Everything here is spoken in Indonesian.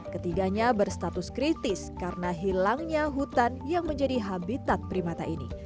ketiganya berstatus kritis karena hilangnya hutan yang menjadi habitat primata ini